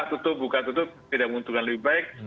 tutup buka tutup tidak menguntungkan lebih baik